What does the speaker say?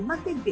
năm thành công